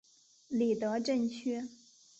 里德镇区。